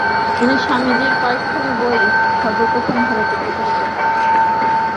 ইনি স্বামীজীর কয়েকখানি বই ভারতে সর্বপ্রথম প্রকাশ করেন।